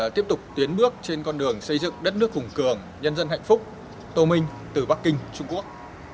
tiếp tục tiến bước trên con đường xây dựng đất nước hùng cường nhân dân hạnh phúc tô minh từ bắc kinh trung quốc